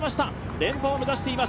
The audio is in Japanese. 連覇を目指しています。